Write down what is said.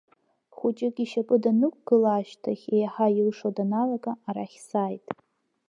Хәыҷык ишьапы данықәгыла ашьҭахь, еиҳа илшо даналага, арахь сааит.